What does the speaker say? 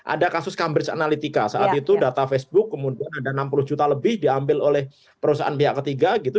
ada kasus cambridge analytica saat itu data facebook kemudian ada enam puluh juta lebih diambil oleh perusahaan pihak ketiga gitu